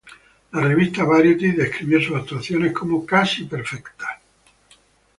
La revista "Variety" describió su actuación como "casi perfecta".